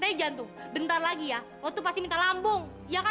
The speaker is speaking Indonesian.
gue gak akan pernah dapetin tristan oke